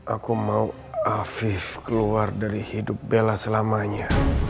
aku mau afif keluar dari hidup bella selamanya